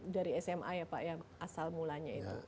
dari sma ya pak ya asal mulanya itu